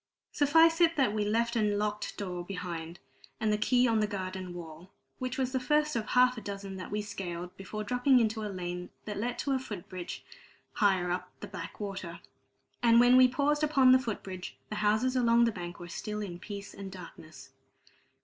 Suffice it that we left a locked door behind us, and the key on the garden wall, which was the first of half a dozen that we scaled before dropping into a lane that led to a foot bridge higher up the backwater. And when we paused upon the foot bridge, the houses along the bank were still in peace and darkness.